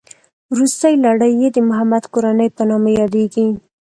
روستۍ لړۍ یې د محمد کورنۍ په نامه یادېږي.